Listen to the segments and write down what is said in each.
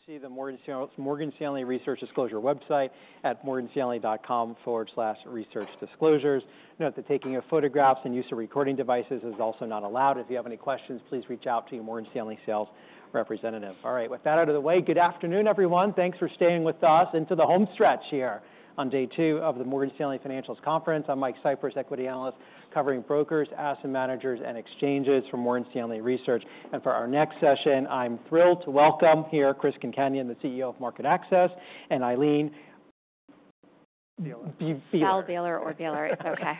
You see the Morgan Stanley Research Disclosure website at morganstanley.com/researchdisclosures. Note that taking of photographs and use of recording devices is also not allowed. If you have any questions, please reach out to your Morgan Stanley sales representative. All right, with that out of the way, good afternoon, everyone. Thanks for staying with us into the home stretch here on day two of the Morgan Stanley Financials Conference. I'm Mike Cyprys, equity analyst, covering brokers, asset managers, and exchanges for Morgan Stanley Research. For our next session, I'm thrilled to welcome here Chris Concannon, the CEO of MarketAxess, and Ilene- Bieler. Fiszel Bieler, or Bieler. It's okay.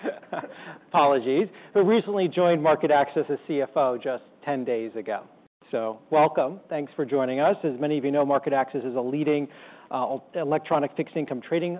Apologies. Who recently joined MarketAxess as CFO just ten days ago. So welcome. Thanks for joining us. As many of you know, MarketAxess is a leading electronic fixed-income trading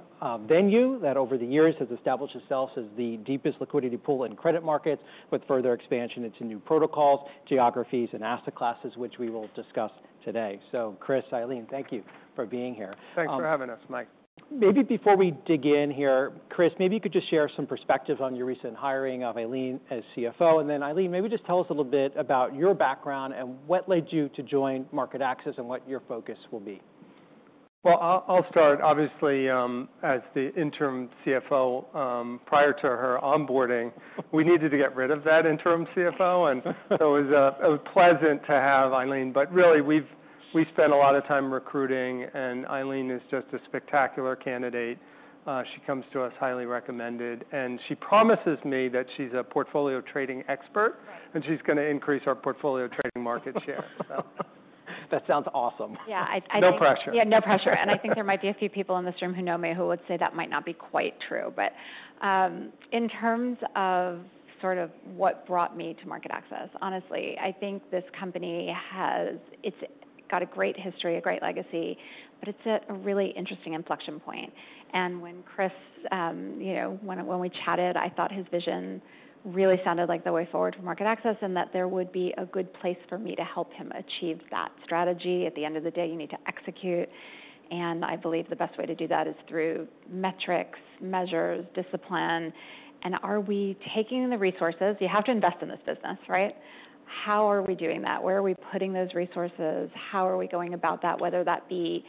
venue that, over the years, has established itself as the deepest liquidity pool in credit markets, with further expansion into new protocols, geographies, and asset classes, which we will discuss today. So, Chris, Ilene, thank you for being here. Thanks for having us, Mike. Maybe before we dig in here, Chris, maybe you could just share some perspective on your recent hiring of Ilene as CFO. And then, Ilene, maybe just tell us a little bit about your background and what led you to join MarketAxess, and what your focus will be. Well, I'll start. Obviously, as the interim CFO, prior to her onboarding, we needed to get rid of that interim CFO. And so it was pleasant to have Ilene, but really, we spent a lot of time recruiting, and Ilene is just a spectacular candidate. She comes to us highly recommended, and she promises me that she's a portfolio trading expert. Right And she's gonna increase our portfolio trading market share. So... That sounds awesome. Yeah. No pressure. Yeah, no pressure. I think there might be a few people in this room who know me, who would say that might not be quite true. But in terms of sort of what brought me to MarketAxess, honestly, I think this company has, it's got a great history, a great legacy, but it's at a really interesting inflection point. And when Chris, you know, when we chatted, I thought his vision really sounded like the way forward for MarketAxess, and that there would be a good place for me to help him achieve that strategy. At the end of the day, you need to execute, and I believe the best way to do that is through metrics, measures, discipline, and are we taking the resources? You have to invest in this business, right? How are we doing that? Where are we putting those resources? How are we going about that? Whether that be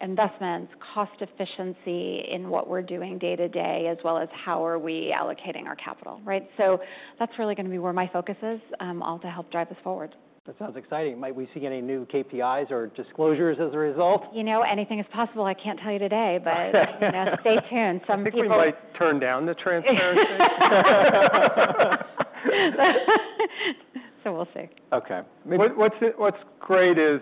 investments, cost efficiency in what we're doing day to day, as well as how are we allocating our capital, right? So that's really gonna be where my focus is, all to help drive this forward. That sounds exciting. Might we see any new KPIs or disclosures as a result? You know, anything is possible. I can't tell you today, but... you know, stay tuned. Some people- I think we might turn down the transparency. We'll see. Okay. What's great is,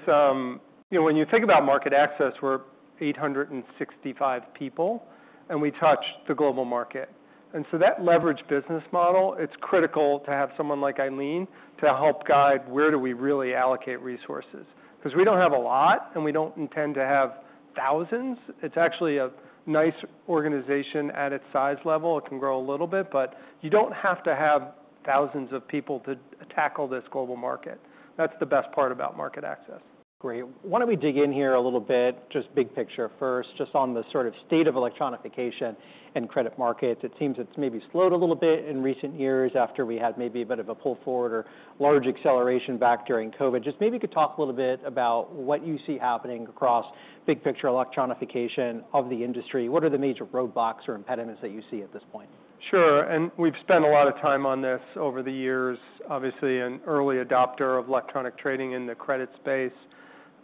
you know, when you think about MarketAxess, we're 865 people, and we touch the global market. And so that leveraged business model, it's critical to have someone like Ilene to help guide where do we really allocate resources? 'Cause we don't have a lot, and we don't intend to have thousands. It's actually a nice organization at its size level. It can grow a little bit, but you don't have to have thousands of people to tackle this global market. That's the best part about MarketAxess. Great. Why don't we dig in here a little bit? Just big picture first, just on the sort of state of electronification and credit markets. It seems it's maybe slowed a little bit in recent years, after we had maybe a bit of a pull forward or large acceleration back during COVID. Just maybe you could talk a little bit about what you see happening across big picture electronification of the industry. What are the major roadblocks or impediments that you see at this point? Sure. We've spent a lot of time on this over the years. Obviously, an early adopter of electronic trading in the credit space.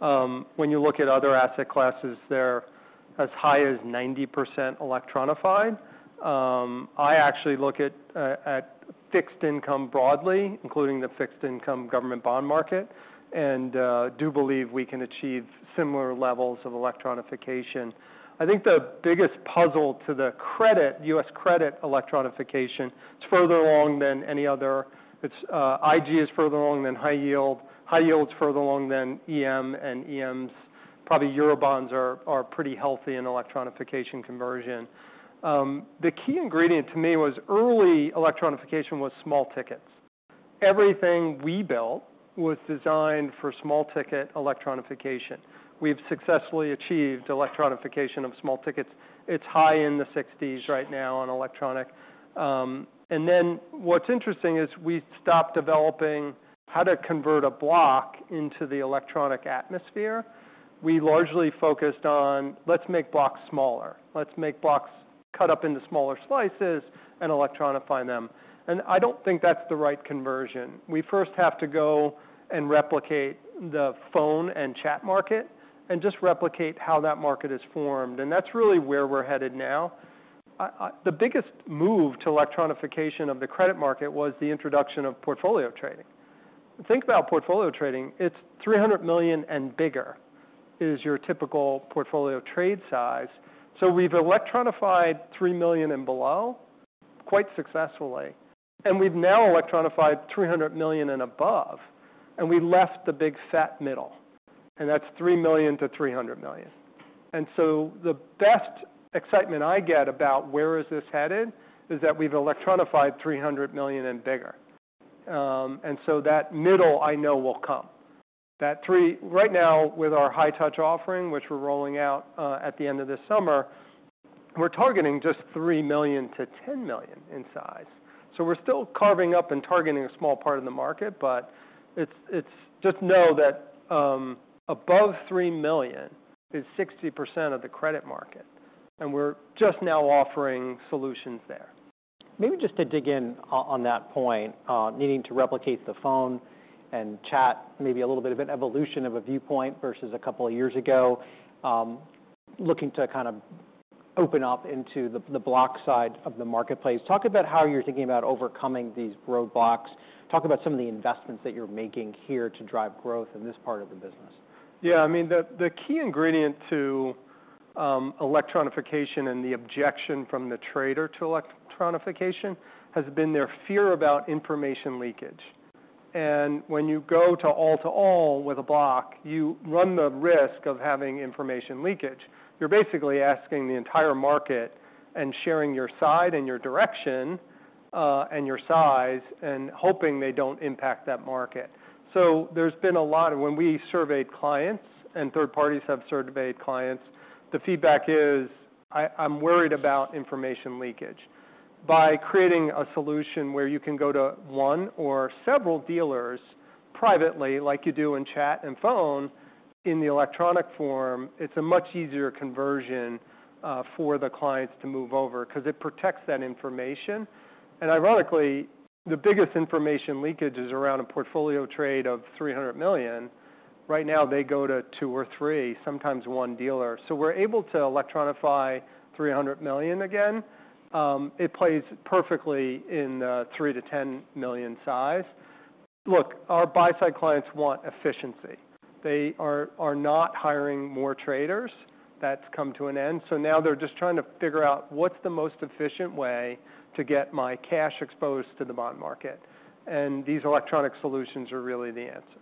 When you look at other asset classes, they're as high as 90% electronified. I actually look at fixed income broadly, including the fixed income government bond market, and do believe we can achieve similar levels of electronification. I think the biggest puzzle to the credit, U.S. credit electronification, it's further along than any other. It's IG is further along than high-yield. High-yield is further along than EM. Probably Eurobonds are pretty healthy in electronification conversion. The key ingredient to me was early electronification was small tickets. Everything we built was designed for small-ticket electronification. We've successfully achieved electronification of small tickets. It's high in the 60s right now on electronic. And then what's interesting is we stopped developing how to convert a block into the electronic atmosphere. We largely focused on let's make blocks smaller. Let's make blocks cut up into smaller slices and electronify them, and I don't think that's the right conversion. We first have to go and replicate the phone and chat market and just replicate how that market is formed, and that's really where we're headed now. The biggest move to electronification of the credit market was the introduction of portfolio trading. Think about portfolio trading, it's $300 million and bigger, is your typical portfolio trade size. So we've electronified $3 million and below quite successfully, and we've now electronified $300 million and above, and we left the big, fat middle, and that's $3 million-$300 million. So the best excitement I get about where is this headed is that we've electronified $300 million and bigger. And so that middle, I know, will come. That $3 million-- right now, with our high touch offering, which we're rolling out, at the end of this summer we're targeting just $3 million-$10 million in size. So we're still carving up and targeting a small part of the market, but it's, just know that, above $3 million is 60% of the credit market, and we're just now offering solutions there. Maybe just to dig in on that point, needing to replicate the phone and chat, maybe a little bit of an evolution of a viewpoint versus a couple of years ago. Looking to kind of open up into the block side of the marketplace. Talk about how you're thinking about overcoming these roadblocks. Talk about some of the investments that you're making here to drive growth in this part of the business. Yeah, I mean, the key ingredient to electronification and the objection from the trader to electronification has been their fear about information leakage. And when you go to all to all with a block, you run the risk of having information leakage. You're basically asking the entire market and sharing your side and your direction, and your size, and hoping they don't impact that market. So there's been a lot... when we surveyed clients, and third parties have surveyed clients, the feedback is, "I'm worried about information leakage." By creating a solution where you can go to one or several dealers privately, like you do in chat and phone, in the electronic form, it's a much easier conversion for the clients to move over, 'cause it protects that information. And ironically, the biggest information leakage is around a portfolio trade of $300 million. Right now, they go to two or three, sometimes one dealer. So we're able to electronify $300 million again. It plays perfectly in $3 million-$10 million size. Look, our buy-side clients want efficiency. They are not hiring more traders. That's come to an end. So now they're just trying to figure out, "What's the most efficient way to get my cash exposed to the bond market?" And these electronic solutions are really the answer.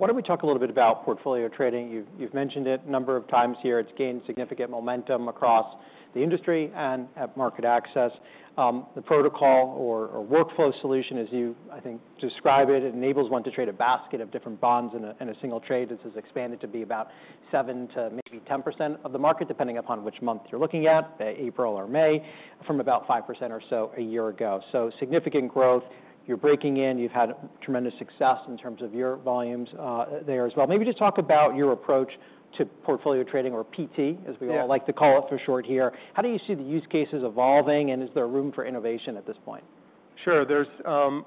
Why don't we talk a little bit about portfolio trading? You've mentioned it a number of times here. It's gained significant momentum across the industry and at MarketAxess. The protocol or workflow solution, as you, I think, describe it, enables one to trade a basket of different bonds in a single trade. This has expanded to be about 7% to maybe 10% of the market, depending upon which month you're looking at, April or May, from about 5% or so a year ago. So significant growth. You're breaking in. You've had tremendous success in terms of your volumes there as well. Maybe just talk about your approach to portfolio trading or PT, as we all- Yeah... like to call it for short here. How do you see the use cases evolving, and is there room for innovation at this point? Sure. There's...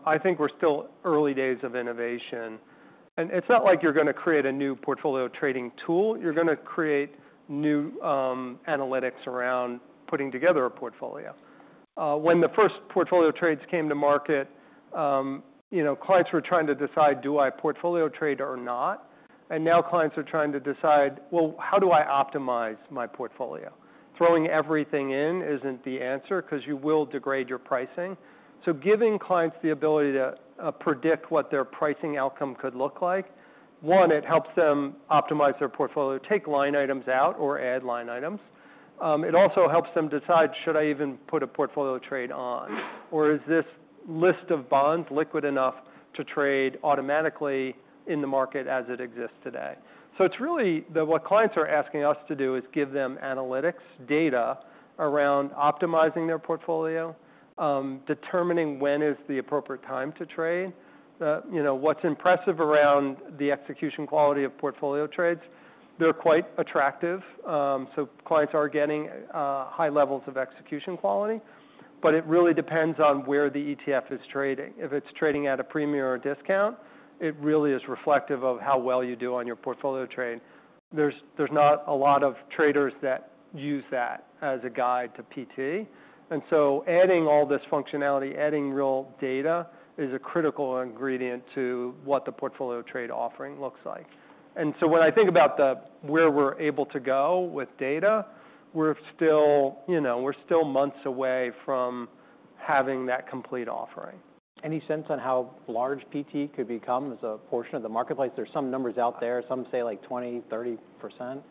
I think we're still early days of innovation, and it's not like you're gonna create a new portfolio trading tool. You're gonna create new, analytics around putting together a portfolio. When the first portfolio trades came to market, you know, clients were trying to decide, "Do I portfolio trade or not?" And now clients are trying to decide, "Well, how do I optimize my portfolio?" Throwing everything in isn't the answer, 'cause you will degrade your pricing. So giving clients the ability to predict what their pricing outcome could look like, one, it helps them optimize their portfolio, take line items out or add line items. It also helps them decide, "Should I even put a portfolio trade on? Or is this list of bonds liquid enough to trade automatically in the market as it exists today?" So it's really what clients are asking us to do is give them analytics, data around optimizing their portfolio, determining when is the appropriate time to trade. You know, what's impressive around the execution quality of portfolio trades, they're quite attractive. So clients are getting high levels of execution quality, but it really depends on where the ETF is trading. If it's trading at a premium or a discount, it really is reflective of how well you do on your portfolio trade. There's not a lot of traders that use that as a guide to PT, and so adding all this functionality, adding real data, is a critical ingredient to what the portfolio trade offering looks like. And so when I think about the where we're able to go with data, we're still, you know, we're still months away from having that complete offering. Any sense on how large PT could become as a portion of the marketplace? There's some numbers out there, some say, like 20%, 30%.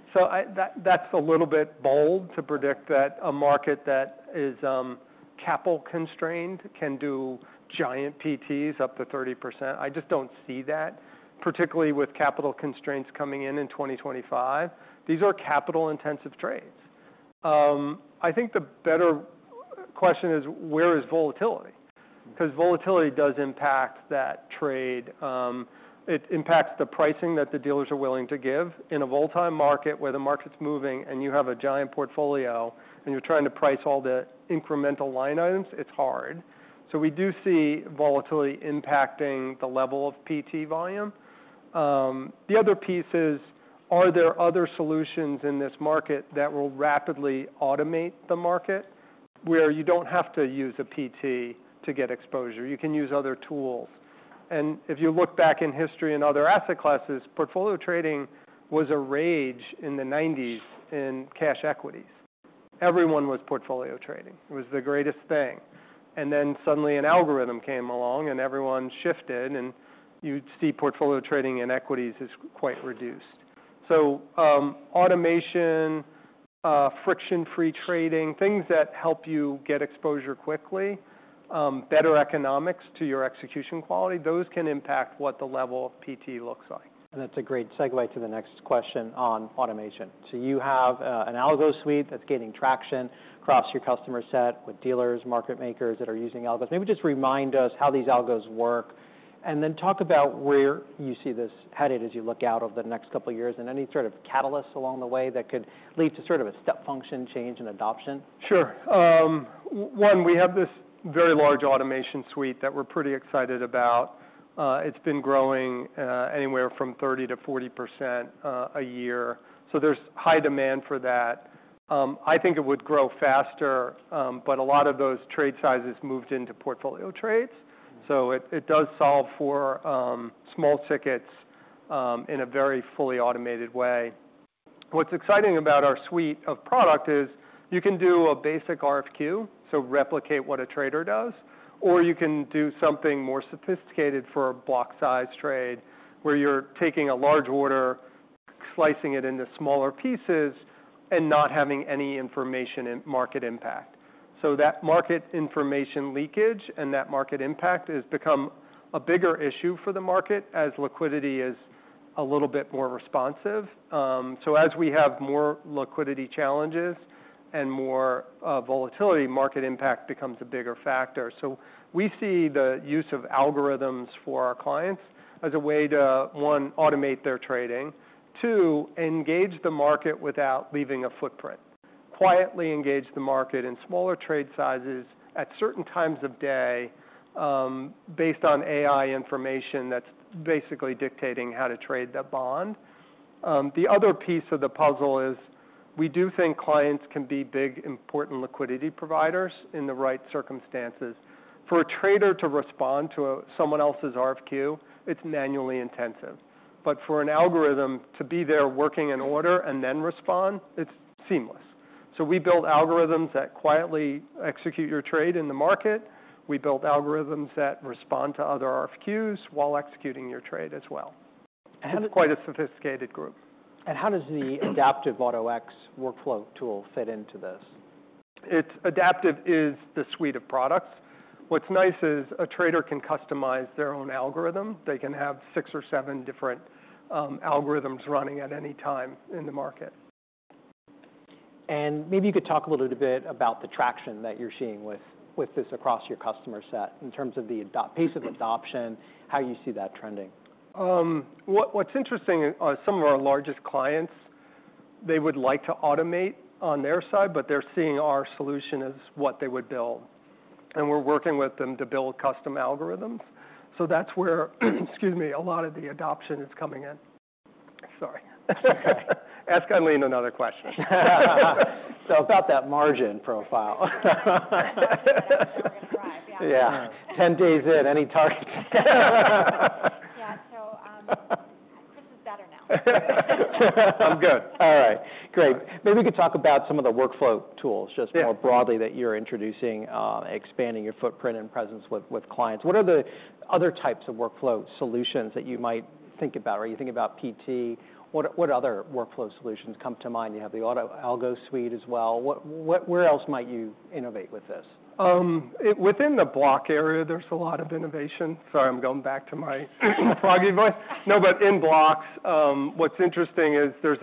That's a little bit bold to predict that a market that is capital constrained can do giant PTs up to 30%. I just don't see that, particularly with capital constraints coming in in 2025. These are capital-intensive trades. I think the better question is, where is volatility? Because volatility does impact that trade. It impacts the pricing that the dealers are willing to give. In a volatile market, where the market's moving and you have a giant portfolio and you're trying to price all the incremental line items, it's hard. So we do see volatility impacting the level of PT volume. The other piece is, are there other solutions in this market that will rapidly automate the market, where you don't have to use a PT to get exposure? You can use other tools. If you look back in history and other asset classes, portfolio trading was a rage in the 90s in cash equities. Everyone was portfolio trading. It was the greatest thing. And then suddenly an algorithm came along, and everyone shifted, and you'd see portfolio trading in equities is quite reduced. So, automation, friction-free trading, things that help you get exposure quickly, better economics to your execution quality, those can impact what the level of PT looks like. That's a great segue to the next question on automation. So you have an algo suite that's gaining traction across your customer set with dealers, market makers that are using algos. Maybe just remind us how these algos work, and then talk about where you see this headed as you look out over the next couple of years, and any sort of catalysts along the way that could lead to sort of a step function change and adoption. Sure. One, we have this very large automation suite that we're pretty excited about. It's been growing anywhere from 30%-40% a year, so there's high demand for that. I think it would grow faster, but a lot of those trade sizes moved into portfolio trades, so it does solve for small tickets in a very fully automated way. What's exciting about our suite of product is, you can do a basic RFQ, so replicate what a trader does, or you can do something more sophisticated for a block size trade, where you're taking a large order, slicing it into smaller pieces, and not having any information leakage or market impact. So that market information leakage and that market impact has become a bigger issue for the market as liquidity is a little bit more responsive. So as we have more liquidity challenges and more volatility, market impact becomes a bigger factor. So we see the use of algorithms for our clients as a way to, one, automate their trading. Two, engage the market without leaving a footprint. Quietly engage the market in smaller trade sizes at certain times of day, based on AI information that's basically dictating how to trade the bond. The other piece of the puzzle is, we do think clients can be big, important liquidity providers in the right circumstances. For a trader to respond to someone else's RFQ, it's manually intensive. But for an algorithm to be there working an order and then respond, it's seamless. So we build algorithms that quietly execute your trade in the market. We build algorithms that respond to other RFQs while executing your trade as well. It's quite a sophisticated group. How does the Adaptive Auto-X workflow tool fit into this? It's Adaptive is the suite of products. What's nice is, a trader can customize their own algorithm. They can have six or seven different algorithms running at any time in the market. Maybe you could talk a little bit about the traction that you're seeing with this across your customer set, in terms of the pace of adoption, how you see that trending? What's interesting is, some of our largest clients, they would like to automate on their side, but they're seeing our solution as what they would build, and we're working with them to build custom algorithms. So that's where, excuse me, a lot of the adoption is coming in. Sorry. That's gonna lead to another question. So about that margin profile. We're gonna thrive. Yeah. 10 days in, any target? Yeah. So, Chris is better now. I'm good. All right. Great. Maybe we could talk about some of the workflow tools just more broadly, that you're introducing, expanding your footprint and presence with clients. What are the other types of workflow solutions that you might think about? Are you thinking about PT? What other workflow solutions come to mind? You have the Auto Algo suite as well. What-- where else might you innovate with this? Within the block area, there's a lot of innovation. Sorry, I'm going back to my froggy voice. No, but in blocks, what's interesting is there's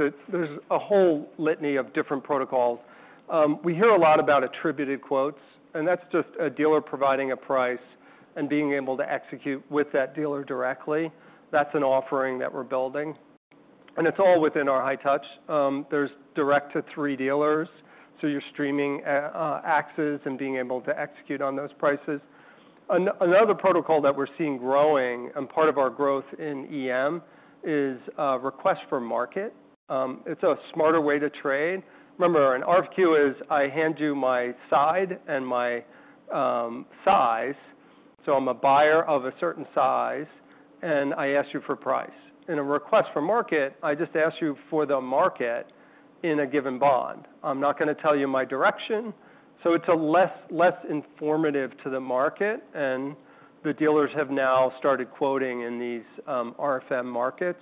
a whole litany of different protocols. We hear a lot about attributed quotes, and that's just a dealer providing a price and being able to execute with that dealer directly. That's an offering that we're building, and it's all within our high touch. There's direct to three dealers, so you're streaming axes and being able to execute on those prices. Another protocol that we're seeing growing, and part of our growth in EM, is a request for market. It's a smarter way to trade. Remember, an RFQ is, I hand you my side and my size, so I'm a buyer of a certain size, and I ask you for price. In a request for market, I just ask you for the market in a given bond. I'm not gonna tell you my direction, so it's a less, less informative to the market, and the dealers have now started quoting in these RFM markets,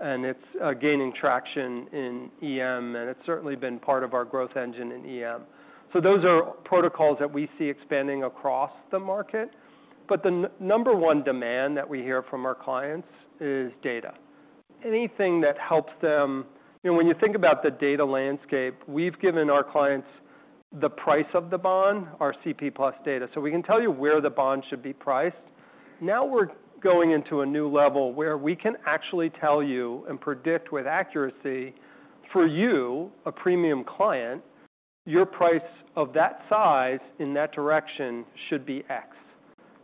and it's gaining traction in EM, and it's certainly been part of our growth engine in EM. So those are protocols that we see expanding across the market. But the number one demand that we hear from our clients is data. Anything that helps them... you know, when you think about the data landscape, we've given our clients the price of the bond, our CP+ data. So we can tell you where the bond should be priced. Now we're going into a new level where we can actually tell you and predict with accuracy for you, a premium client, your price of that size in that direction should be X.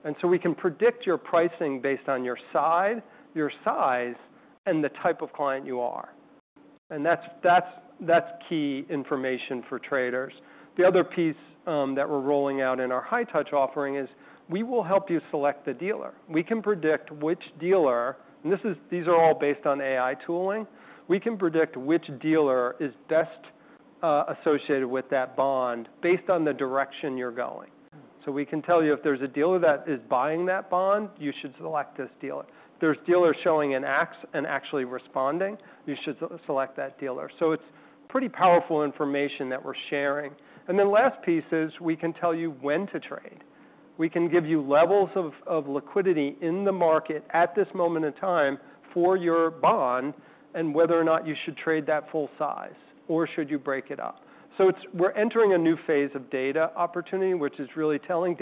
And so we can predict your pricing based on your side, your size, and the type of client you are. And that's key information for traders. The other piece that we're rolling out in our high touch offering is, we will help you select the dealer. We can predict which dealer, and this is, these are all based on AI tooling. We can predict which dealer is best associated with that bond, based on the direction you're going. So we can tell you if there's a dealer that is buying that bond, "You should select this dealer." There's dealers showing an axe and actually responding, "You should select that dealer." So it's pretty powerful information that we're sharing. And the last piece is, we can tell you when to trade. We can give you levels of liquidity in the market at this moment in time for your bond, and whether or not you should trade that full size, or should you break it up? So we're entering a new phase of data opportunity, which is really telling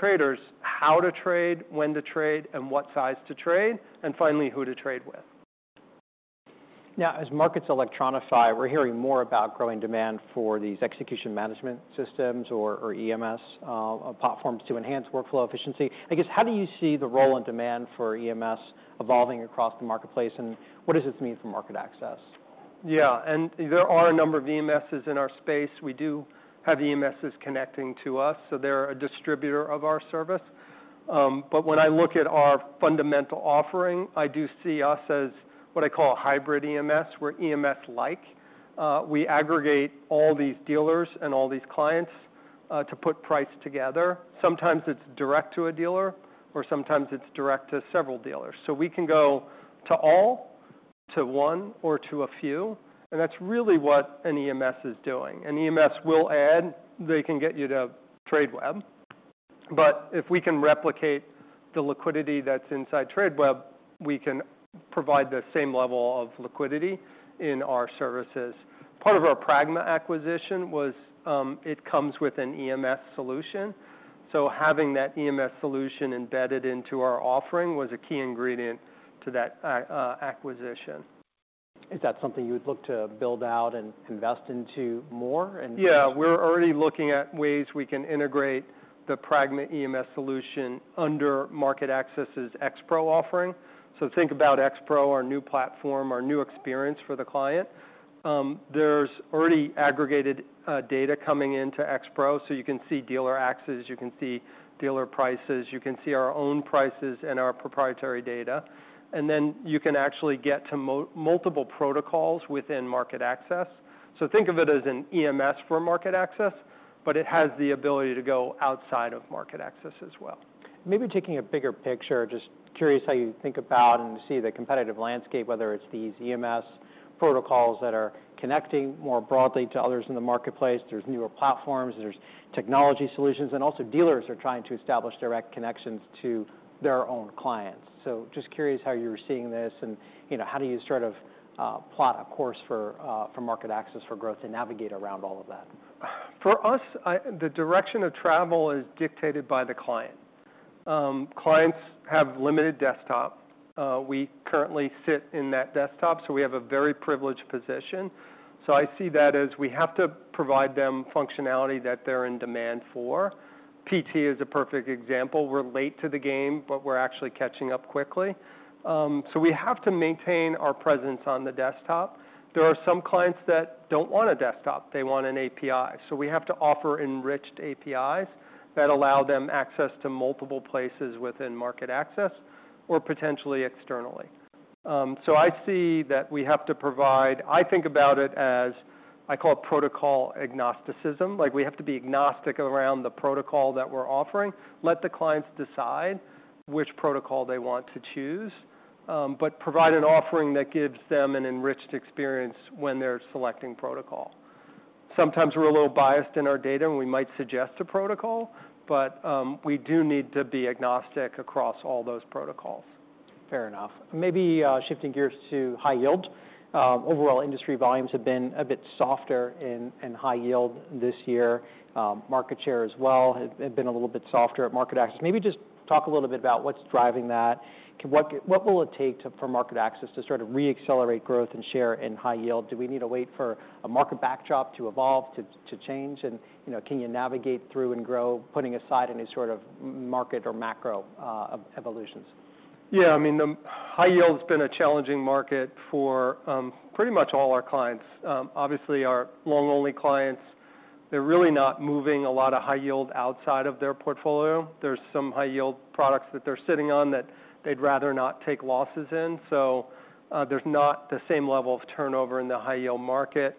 traders how to trade, when to trade, and what size to trade, and finally, who to trade with. Now, as markets electronify, we're hearing more about growing demand for these execution management systems or, or EMS, platforms to enhance workflow efficiency. I guess, how do you see the role and demand for EMS evolving across the marketplace, and what does this mean for MarketAxess? Yeah, and there are a number of EMSs in our space. We do have EMSs connecting to us, so they're a distributor of our service. But when I look at our fundamental offering, I do see us as what I call a hybrid EMS. We're EMS-like. We aggregate all these dealers and all these clients, to put price together. Sometimes it's direct to a dealer, or sometimes it's direct to several dealers. So we can go to all, to one, or to a few, and that's really what an EMS is doing. An EMS will add... they can get you to Tradeweb. But if we can replicate the liquidity that's inside Tradeweb, we can provide the same level of liquidity in our services. Part of our Pragma acquisition was, it comes with an EMS solution, so having that EMS solution embedded into our offering was a key ingredient to that acquisition. Is that something you would look to build out and invest into more and- Yeah, we're already looking at ways we can integrate the Pragma EMS solution under MarketAxess's X-Pro offering. So think about X-Pro, our new platform, our new experience for the client. There's already aggregated data coming into X-Pro, so you can see dealer access, you can see dealer prices, you can see our own prices and our proprietary data. And then you can actually get to multiple protocols within MarketAxess. So think of it as an EMS for MarketAxess, but it has the ability to go outside of MarketAxess as well. Maybe taking a bigger picture, just curious how you think about and see the competitive landscape, whether it's these EMS protocols that are connecting more broadly to others in the marketplace. There's newer platforms, there's technology solutions, and also dealers are trying to establish direct connections to their own clients. So just curious how you're seeing this, and, you know, how do you sort of, plot a course for MarketAxess for growth and navigate around all of that? For us, the direction of travel is dictated by the client. Clients have limited desktop. We currently sit in that desktop, so we have a very privileged position. So I see that as we have to provide them functionality that they're in demand for. PT is a perfect example. We're late to the game, but we're actually catching up quickly. So we have to maintain our presence on the desktop. There are some clients that don't want a desktop, they want an API. So we have to offer enriched APIs that allow them access to multiple places within MarketAxess, or potentially externally. So I see that we have to provide. I think about it as, I call it, protocol agnosticism. Like, we have to be agnostic around the protocol that we're offering. Let the clients decide which protocol they want to choose, but provide an offering that gives them an enriched experience when they're selecting protocol. Sometimes we're a little biased in our data, and we might suggest a protocol, but we do need to be agnostic across all those protocols. Fair enough. Maybe shifting gears to high yield. Overall industry volumes have been a bit softer in high yield this year. Market share as well have been a little bit softer at MarketAxess. Maybe just talk a little bit about what's driving that. What will it take for MarketAxess to sort of re-accelerate growth and share in high yield? Do we need to wait for a market backdrop to evolve, to change? And, you know, can you navigate through and grow, putting aside any sort of market or macro evolutions? Yeah, I mean, the high-yield's been a challenging market for, pretty much all our clients. Obviously, our long-only clients, they're really not moving a lot of high-yield outside of their portfolio. There's some high-yield products that they're sitting on that they'd rather not take losses in, so, there's not the same level of turnover in the high-yield market.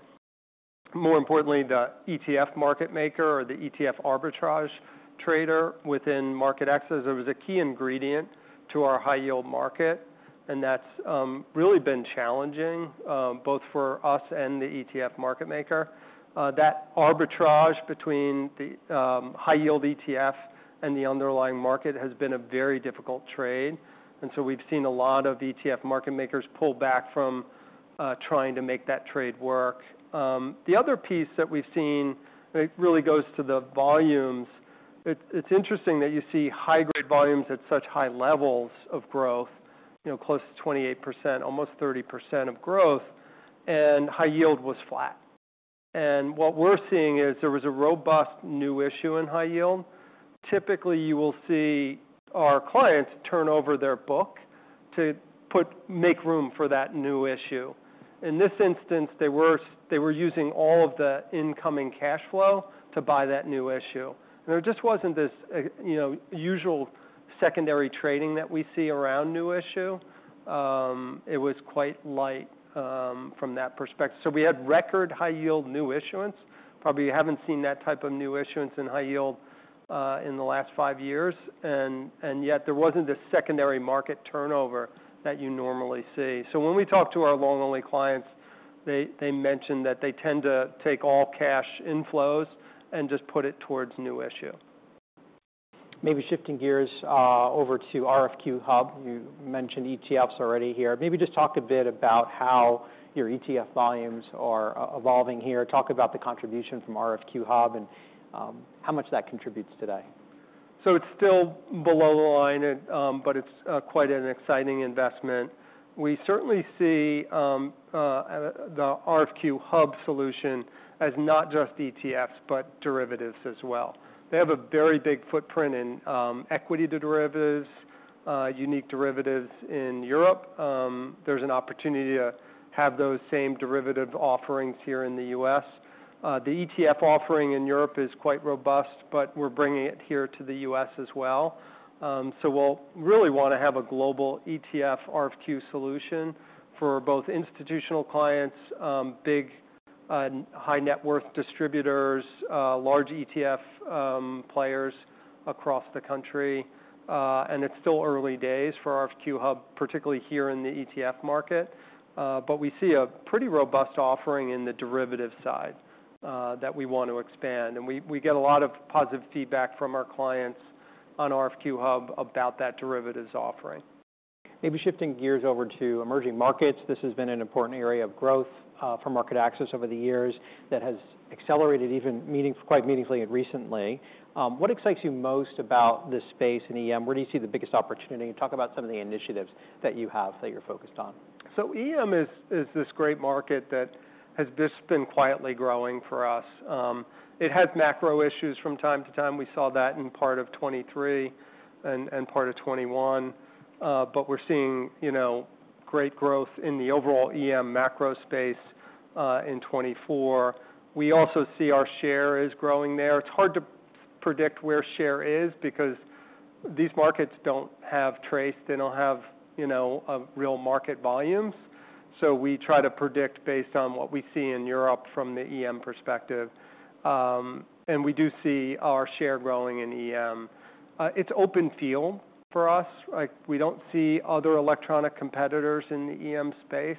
More importantly, the ETF market maker or the ETF arbitrage trader within MarketAxess was a key ingredient to our high-yield market, and that's, really been challenging, both for us and the ETF market maker. That arbitrage between the, high-yield ETF and the underlying market has been a very difficult trade, and so we've seen a lot of ETF market makers pull back from, trying to make that trade work. The other piece that we've seen, and it really goes to the volumes, it's interesting that you see high-grade volumes at such high levels of growth, you know, close to 28%, almost 30% of growth, and high-yield was flat. What we're seeing is there was a robust new issue in high-yield. Typically, you will see our clients turn over their book to make room for that new issue. In this instance, they were using all of the incoming cash flow to buy that new issue. There just wasn't this, you know, usual secondary trading that we see around new issue. It was quite light, from that perspective. So we had record high-yield new issuance. Probably you haven't seen that type of new issuance in high yield in the last five years, and, and yet there wasn't a secondary market turnover that you normally see. So when we talk to our long-only clients, they, they mentioned that they tend to take all cash inflows and just put it towards new issue. Maybe shifting gears over to RFQ-hub. You mentioned ETFs already here. Maybe just talk a bit about how your ETF volumes are evolving here. Talk about the contribution from RFQ-hub and how much that contributes today. So it's still below the line, but it's quite an exciting investment. We certainly see the RFQ-hub solution as not just ETFs, but derivatives as well. They have a very big footprint in equity derivatives, unique derivatives in Europe. There's an opportunity to have those same derivative offerings here in the U.S. The ETF offering in Europe is quite robust, but we're bringing it here to the U.S. as well. So we'll really want to have a global ETF RFQ solution for both institutional clients, big and high net worth distributors, large ETF players across the country. And it's still early days for RFQ-hub, particularly here in the ETF market, but we see a pretty robust offering in the derivative side, that we want to expand. We, we get a lot of positive feedback from our clients on RFQ-hub about that derivatives offering. Maybe shifting gears over to emerging markets. This has been an important area of growth for MarketAxess over the years that has accelerated even quite meaningfully and recently. What excites you most about this space in EM? Where do you see the biggest opportunity? Talk about some of the initiatives that you have that you're focused on. So EM is this great market that has just been quietly growing for us. It has macro issues from time to time. We saw that in part of 2023 and part of 2021. But we're seeing, you know, great growth in the overall EM macro space in 2024. We also see our share is growing there. It's hard to predict where share is because these markets don't have TRACE. They don't have, you know, real market volumes. So we try to predict based on what we see in Europe from the EM perspective. And we do see our share growing in EM. It's open field for us. Like, we don't see other electronic competitors in the EM space,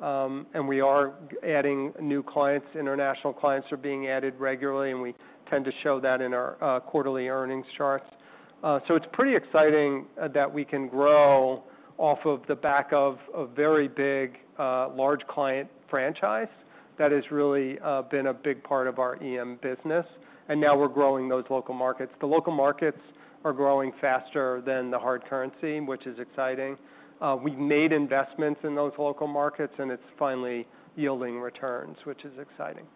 and we are adding new clients. International clients are being added regularly, and we tend to show that in our quarterly earnings charts. So it's pretty exciting that we can grow off of the back of a very big large client franchise that has really been a big part of our EM business, and now we're growing those local markets. The local markets are growing faster than the hard currency, which is exciting. We've made investments in those local markets, and it's finally yielding returns, which is exciting.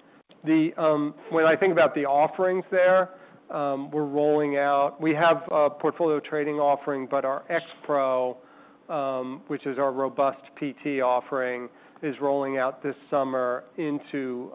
When I think about the offerings there, we're rolling out. We have a portfolio trading offering, but our X-Pro, which is our robust PT offering, is rolling out this summer into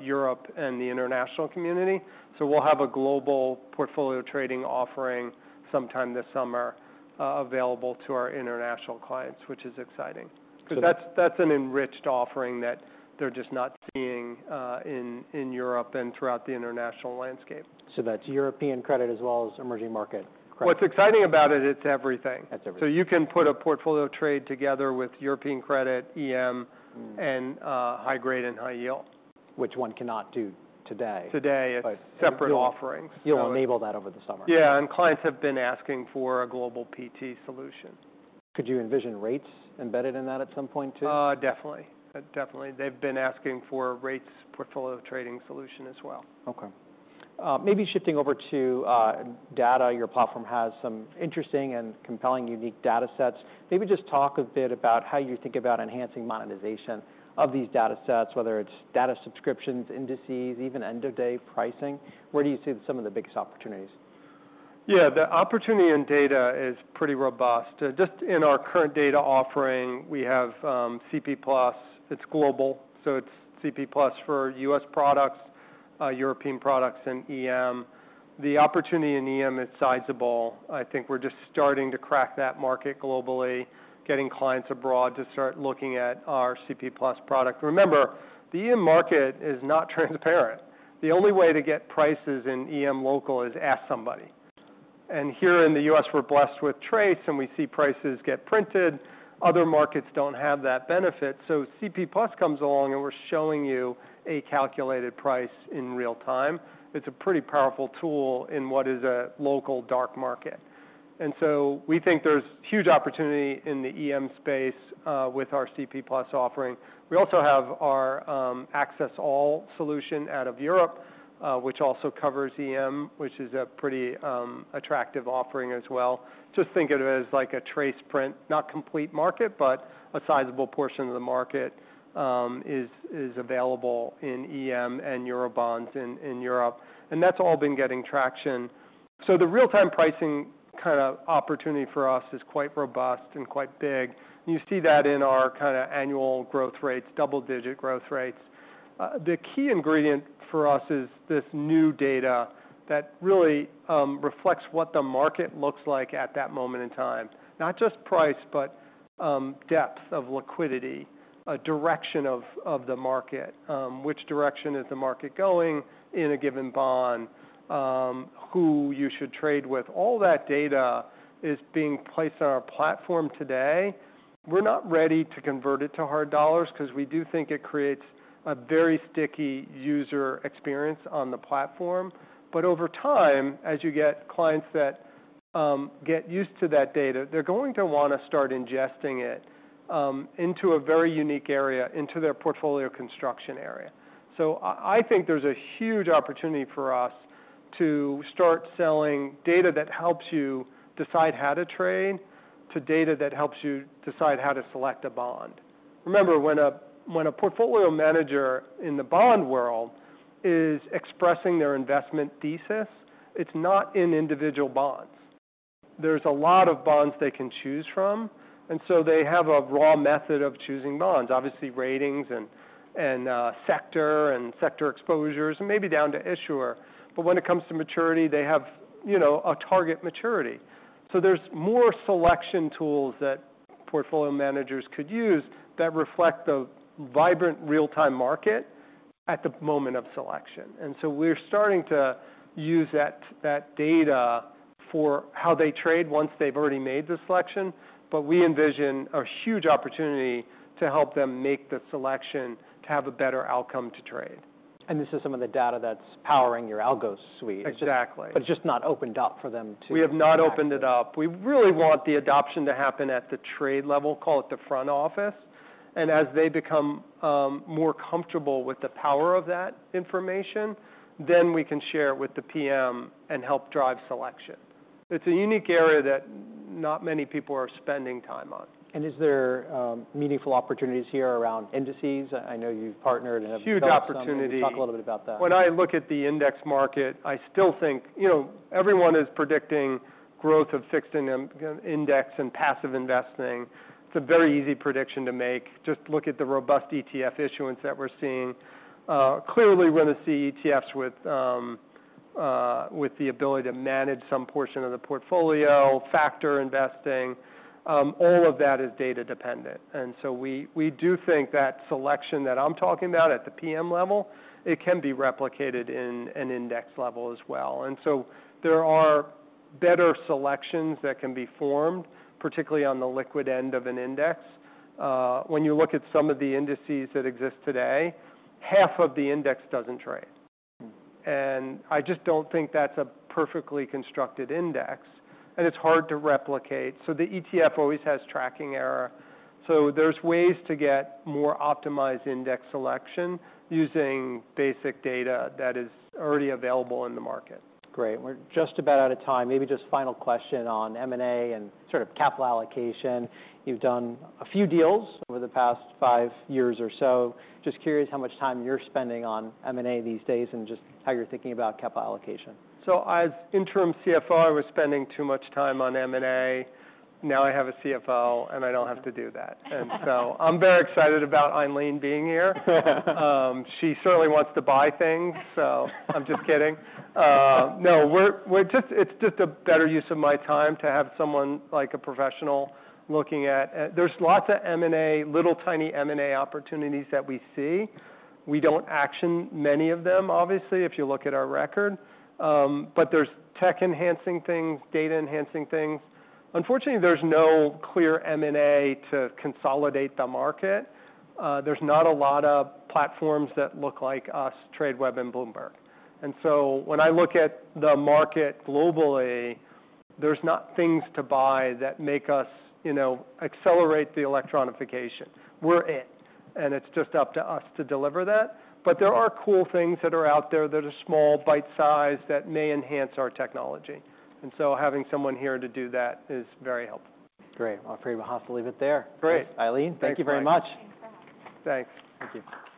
Europe and the international community. So we'll have a global portfolio trading offering sometime this summer available to our international clients, which is exciting. 'Cause that's an enriched offering that they're just not seeing in Europe and throughout the international landscape. So that's European credit as well as emerging market? What's exciting about it, it's everything. It's everything. So you can put a portfolio trade together with European credit, EM, and high-grade and high-yield. Which one cannot do today. Today- But-... separate offerings. You'll enable that over the summer? Yeah, and clients have been asking for a global PT solution. Could you envision rates embedded in that at some point, too? Definitely. Definitely. They've been asking for a rates portfolio trading solution as well. Okay. Maybe shifting over to data. Your platform has some interesting and compelling unique data sets. Maybe just talk a bit about how you think about enhancing monetization of these data sets, whether it's data subscriptions, indices, even end-of-day pricing. Where do you see some of the biggest opportunities? Yeah, the opportunity in data is pretty robust. Just in our current data offering, we have CP+. It's global, so it's CP+ for U.S. products, European products and EM. The opportunity in EM is sizable. I think we're just starting to crack that market globally, getting clients abroad to start looking at our CP+ product. Remember, the EM market is not transparent. The only way to get prices in EM local is ask somebody, and here in the U.S., we're blessed with TRACE, and we see prices get printed. Other markets don't have that benefit, so CP+ comes along, and we're showing you a calculated price in real time. It's a pretty powerful tool in what is a local dark market. And so we think there's huge opportunity in the EM space, with our CP+ offering. We also have our Axess All solution out of Europe, which also covers EM, which is a pretty attractive offering as well. Just think of it as like a tape print, not complete market, but a sizable portion of the market is available in EM and Eurobonds in Europe, and that's all been getting traction. So the real-time pricing kind of opportunity for us is quite robust and quite big. You see that in our kind of annual growth rates, double-digit growth rates. The key ingredient for us is this new data that really reflects what the market looks like at that moment in time, not just price, but depth of liquidity, a direction of the market, which direction is the market going in a given bond, who you should trade with. All that data is being placed on our platform today. We're not ready to convert it to hard dollars, 'cause we do think it creates a very sticky user experience on the platform. But over time, as you get clients that get used to that data, they're going to wanna start ingesting it into a very unique area, into their portfolio construction area. So I think there's a huge opportunity for us to start selling data that helps you decide how to trade, to data that helps you decide how to select a bond. Remember, when a portfolio manager in the bond world is expressing their investment thesis, it's not in individual bonds. There's a lot of bonds they can choose from, and so they have a raw method of choosing bonds, obviously, ratings and sector exposures, and maybe down to issuer. But when it comes to maturity, they have, you know, a target maturity. So there's more selection tools that portfolio managers could use that reflect the vibrant real-time market at the moment of selection. And so we're starting to use that data for how they trade once they've already made the selection, but we envision a huge opportunity to help them make the selection to have a better outcome to trade. This is some of the data that's powering your algo suite? Exactly. But it's just not opened up for them to- We have not opened it up. We really want the adoption to happen at the trade level, call it the front office. And as they become, more comfortable with the power of that information, then we can share it with the PM and help drive selection. It's a unique area that not many people are spending time on. Is there meaningful opportunities here around indices? I know you've partnered and have- Huge opportunity. Talk a little bit about that. When I look at the index market, I still think... you know, everyone is predicting growth of fixed index and passive investing. It's a very easy prediction to make. Just look at the robust ETF issuance that we're seeing. Clearly, we're gonna see ETFs with the ability to manage some portion of the portfolio, factor investing, all of that is data dependent. And so we do think that selection that I'm talking about at the PM level, it can be replicated in an index level as well. And so there are better selections that can be formed, particularly on the liquid end of an index. When you look at some of the indices that exist today, half of the index doesn't trade, and I just don't think that's a perfectly constructed index, and it's hard to replicate. The ETF always has tracking error. There's ways to get more optimized index selection using basic data that is already available in the market. Great. We're just about out of time. Maybe just final question on M&A and sort of capital allocation. You've done a few deals over the past five years or so. Just curious how much time you're spending on M&A these days, and just how you're thinking about capital allocation? So as interim CFO, I was spending too much time on M&A. Now I have a CFO, and I don't have to do that. And so I'm very excited about Ilene being here. She certainly wants to buy things, so... I'm just kidding. No, we're just— it's just a better use of my time to have someone, like a professional, looking at... there's lots of M&A, little tiny M&A opportunities that we see. We don't action many of them, obviously, if you look at our record. But there's tech-enhancing things, data-enhancing things. Unfortunately, there's no clear M&A to consolidate the market. There's not a lot of platforms that look like us, Tradeweb and Bloomberg. And so when I look at the market globally, there's not things to buy that make us, you know, accelerate the electronification. We're it, and it's just up to us to deliver that. But there are cool things that are out there that are small, bite-sized, that may enhance our technology, and so having someone here to do that is very helpful. Great. Well, I'm afraid we'll leave it there. Great. Ilene, thank you very much. Thanks. Thank you.